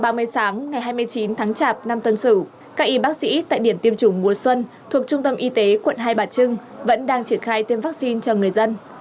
tám giờ ba mươi sáng ngày hai mươi chín tháng chạp năm tân sử các y bác sĩ tại điểm tiêm chủng mùa xuân thuộc trung tâm y tế quận hai bà trưng vẫn đang triển khai tiêm vaccine cho người dân